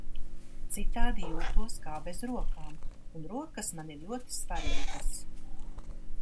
Citādi jūtos kā bez rokām. Un rokas man ir ļoti svarīgas.